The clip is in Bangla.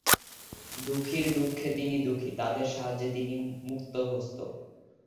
দুঃখীর দুঃখে তিনি দুঃখী, তাদের সাহায্যে তিনি মুক্তহস্ত।